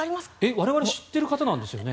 我々知ってる方なんですよね？